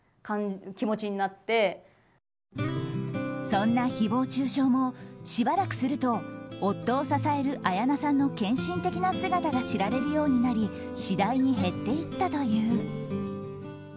そんな誹謗中傷もしばらくすると夫を支える綾菜さんの献身的な姿が知られるようになり次第に減っていったという。